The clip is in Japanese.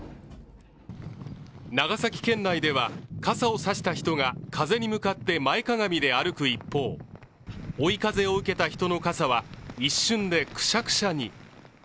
長崎県内では傘を差した人が風に向かって前かがみで歩く一方、追い風を受けた人の傘は一瞬でくしゃくしゃに。